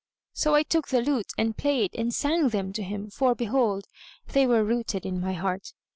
So I took the lute and played and sang them to him; for, behold, they were rooted in my heart.